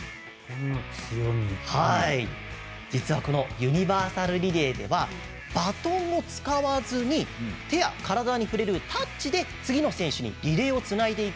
実はこのユニバーサルリレーではバトンを使わずに手や体に触れるタッチで次の選手にリレーをつないでいくんですが